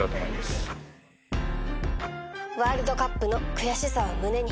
ワールドカップの悔しさを胸に